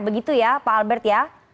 begitu ya pak albert ya